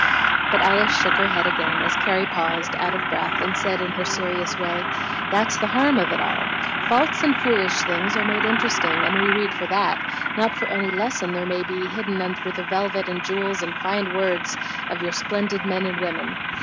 But Alice shook her head again, as Carrie paused out of breath, and said in her serious way: "That's the harm of it all. False and foolish things are made interesting, and we read for that, not for any lesson there may be hidden under the velvet and jewels and fine words of your splendid men and women.